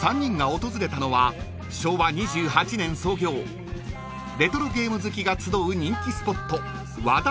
［３人が訪れたのは昭和２８年創業レトロゲーム好きが集う人気スポット］